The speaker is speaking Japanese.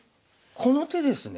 この手ですね。